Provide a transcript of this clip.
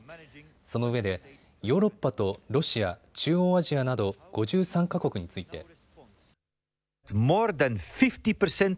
そのうえで、ヨーロッパとロシア、中央アジアなど５３か国について。